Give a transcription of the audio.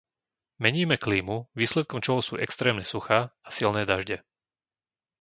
Meníme klímu, výsledkom čoho sú extrémne suchá a silné dažde.